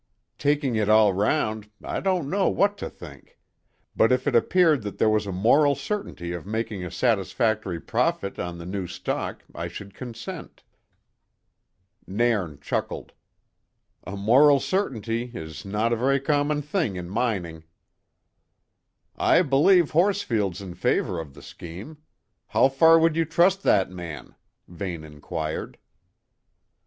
Taking it all round, I don't know what to think; but if it appeared that there was a moral certainty of making a satisfactory profit on the new stock, I should consent." Nairn chuckled. "A moral certainty is no a very common thing in mining." "I believe Horsfield's in favour of the scheme. How far would you trust that man?" Vane inquired.